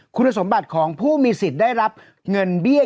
คุณสมบัติของผู้มีสิทธิ์ได้รับเงินเบี้ย